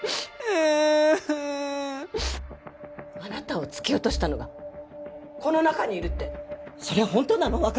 あなたを突き落としたのがこの中にいるってそれは本当なの？